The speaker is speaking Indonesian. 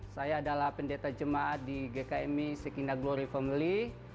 saya adalah pendeta jemaat di gkmi sekindaglori family